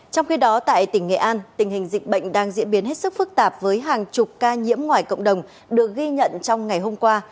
trong khi đó tại tỉnh nghệ an tình hình dịch bệnh đang diễn biến hết sức phức tạp với hàng chục ca nhiễm ngoài cộng đồng được ghi nhận trong ngày hôm qua